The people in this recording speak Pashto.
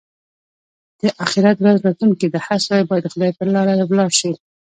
د اخيرت ورځ راتلونکې ده؛ هر سړی باید د خدای پر لاره ولاړ شي.